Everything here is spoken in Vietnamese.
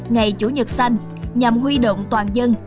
ngày chủ nhật xanh nhằm huy động toàn dân